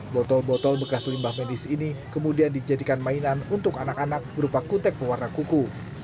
botol botol bekas limbah medis ini kemudian dijadikan mainan untuk anak anak berupa kutek pewarna kuku